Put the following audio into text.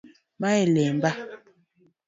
Ma e lemba.